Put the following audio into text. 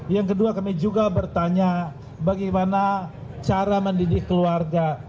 yang kedua kami juga bertanya bagaimana cara mendidik keluarga